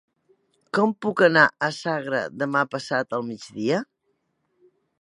Com puc anar a Sagra demà passat al migdia?